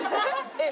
えっ！